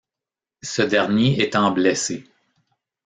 Ce dernier étant blessé.